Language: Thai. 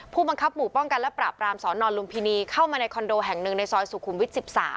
ผู้บังคับหมู่ป้องกันและปราบรามสอนอนลุมพินีเข้ามาในคอนโดแห่งหนึ่งในซอยสุขุมวิทย์๑๓